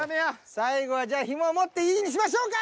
最後はじゃあひもを持っていいにしましょうか！？